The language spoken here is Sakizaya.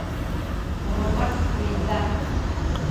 u lupas kuyza.